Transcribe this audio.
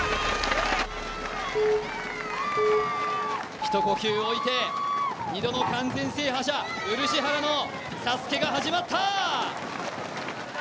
一呼吸置いて、２度の完全制覇者漆原のＳＡＳＵＫＥが始まった。